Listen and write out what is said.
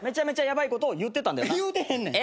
言うてへんねん。